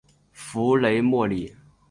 弗雷默里。